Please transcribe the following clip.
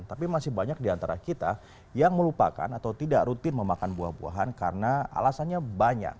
tapi masih banyak di antara kita yang melupakan atau tidak rutin memakan buah buahan karena alasannya banyak